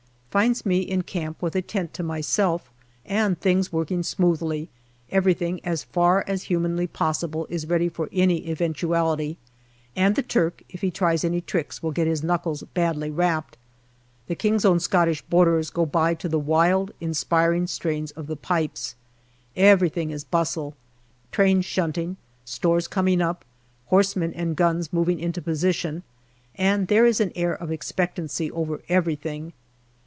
FINDS me in camp with a tent to myself and things working smoothly ; everything, as far as humanly possible, is ready for any eventuality, and the Turk, if he tries any tricks, will get his knuckles badly rapped. The K.O.S.B.'s go by to the wild, inspiring strains of the pipes. Every thing is bustle trains shunting, stores coming up, horse men and guns moving into position, and there is an air of expectancy over everything.